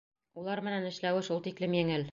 Улар менән эшләүе шул тиклем еңел.